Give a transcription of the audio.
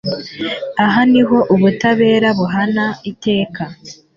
Aha niho ubutabera buhana iteka